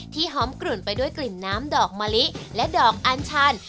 หอมกลุ่นไปด้วยกลิ่นน้ำดอกมะลิและดอกอัญชัน